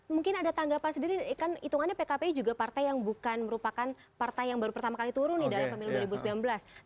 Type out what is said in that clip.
mungkin ada tanggapan sendiri kan hitungannya pkpi juga partai yang bukan merupakan partai yang baru pertama kali turun nih dalam pemilu dua ribu sembilan belas